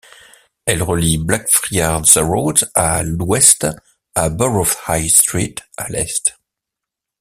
Elle relie Blackfriars Road à l'ouest à Borough High Street à l'est.